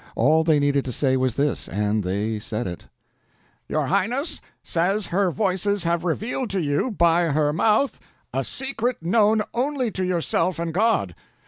All they needed to say was this—and they said it: "Your Highness says her Voices have revealed to you, by her mouth, a secret known only to yourself and God.